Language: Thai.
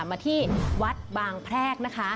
มาที่วัดบางแพรกนะคะ